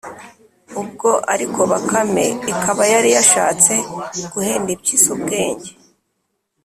Ubwo ariko Bakame ikaba yari yashatse guhenda impyisi ubwenge